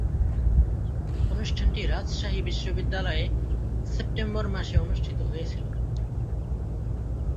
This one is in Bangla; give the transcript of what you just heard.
অনুষ্ঠানটি রাজশাহী বিশ্বনিদ্যালয়ে সেপ্টেম্বর মাসে অনুষ্ঠিত হয়েছিলো।